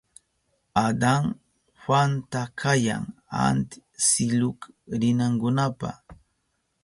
Adan Juanta kayan antsiluk rinankunapa.